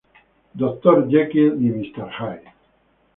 Dr. Jekyll y Mr.